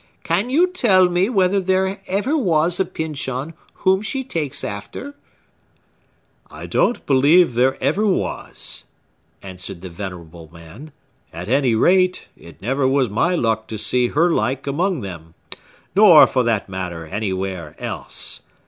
Can you tell me whether there ever was a Pyncheon whom she takes after?" "I don't believe there ever was," answered the venerable man. "At any rate, it never was my luck to see her like among them, nor, for that matter, anywhere else.